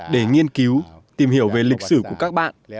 để nghiên cứu tìm hiểu về lịch sử của các bạn